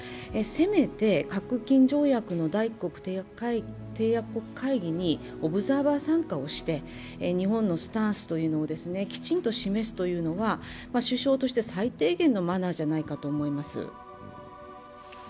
せめて核禁条約の第１回締約国会議にオブザーバー参加をして日本のスタンスというのをきちんと示すというのは首相として最低限のマナーじゃないかと思います。